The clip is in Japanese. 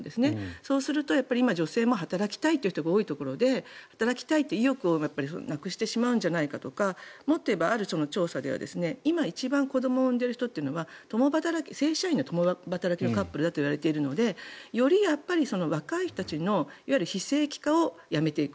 そうすると今、女性も働きたいという人が多いところで働きたいという意欲をなくしてしまうんじゃないかとかもっと言えば、ある調査では今、一番子どもを産んでいる人というのは正社員の共働きのカップルだといわれているのでより若い人たちの非正規化をやめていく。